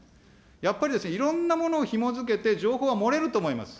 やっぱりですね、いろんなものをひも付けて、情報が漏れると思います。